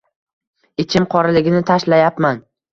Ichim qoraligini tashlayapman